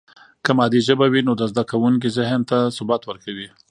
که مادي ژبه وي، نو د زده کوونکي ذهن ته ثبات ورکوي.